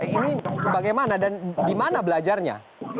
ini bagaimana dan di mana belajarnya